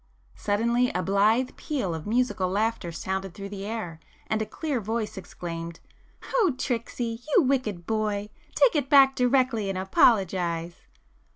Suddenly a blithe peal of musical laughter sounded through the air, and a clear voice exclaimed— "Oh Tricksy! You wicked boy! Take it back directly and apologise!"